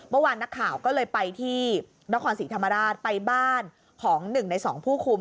เมื่อวานนักข่าวก็เลยไปที่นครศรีธรรมราชไปบ้านของ๑ใน๒ผู้คุม